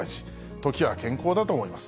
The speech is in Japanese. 時は健康だと思います。